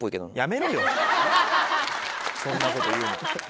そんなこと言うの。